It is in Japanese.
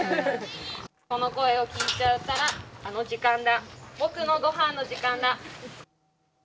この声を聞いたら、あの時間だ僕のごはんの時間だ。